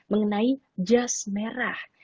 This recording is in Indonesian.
mengenai jas merah